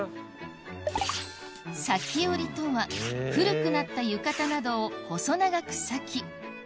裂き織りとは古くなった浴衣などを細長く裂き